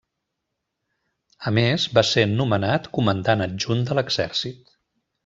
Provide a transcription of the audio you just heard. A més, va ser nomenat Comandant Adjunt de l'Exèrcit.